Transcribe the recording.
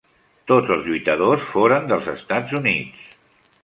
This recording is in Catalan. Tots els lluitadors foren dels Estats Units.